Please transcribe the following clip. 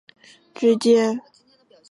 杨树后来夹在了唐红和顾菁菁之间。